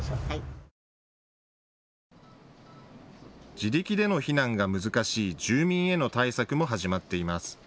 自力での避難が難しい住民への対策も始まっています。